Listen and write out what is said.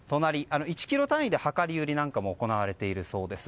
１ｋｇ単位で量り売りなんかも行われているそうです。